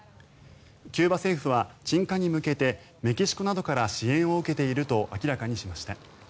キューバ政府は鎮火に向けてメキシコなどから支援を受けていると明らかにしました。